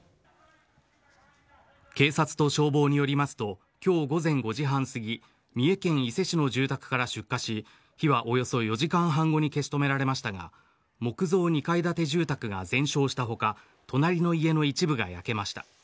警察と消防によりますと今日午前５時半すぎ三重県伊勢市の住宅から出火し火はおよそ４時間半後に消し止められましたが木造２階建て住宅が全焼した他隣の家の一部が焼けました。